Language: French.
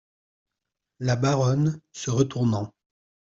La Baronne , se retournant.